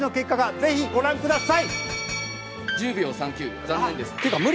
ぜひ御覧ください。